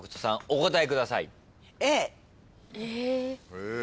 お答えください。